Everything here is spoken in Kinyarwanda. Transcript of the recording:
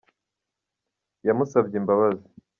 yamusabye imbabazi.